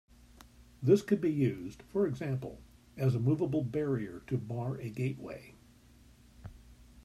This could be used, for example, as a moveable barrier to bar a gateway.